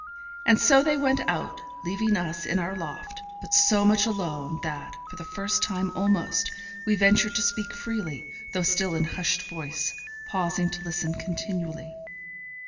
And so they went out, leaving us in our loft, but so much alone, that, for the first time almost, we ventured to speak freely, though still in hushed voice, pausing to listen continually.